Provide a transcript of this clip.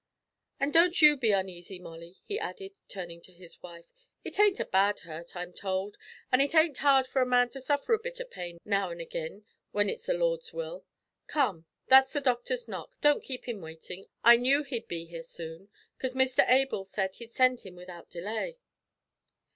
"And don't you be uneasy, Molly," he added, turning to his wife, "it ain't a bad hurt, I'm told, an' it ain't hard for a man to suffer a bit o' pain now an' agin when it's the Lord's will. Come, that's the doctor's knock. Don't keep him waitin'. I knew he'd be here soon, 'cause Mr Able said he'd send him without delay."